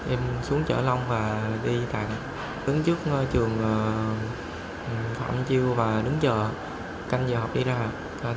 em xuống chợ long và đi tại đứng trước trường phạm chiêu và đứng chờ canh giờ học đi ra học